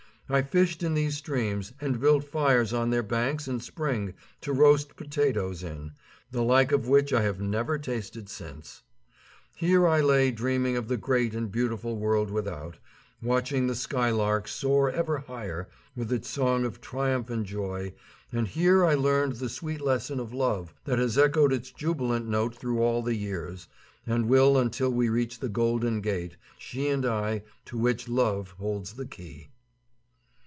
I fished in these streams and built fires on their banks in spring to roast potatoes in, the like of which I have never tasted since. Here I lay dreaming of the great and beautiful world without, watching the skylark soar ever higher with its song of triumph and joy, and here I learned the sweet lesson of love that has echoed its jubilant note through all the years, and will until we reach the golden gate, she and I, to which love holds the key.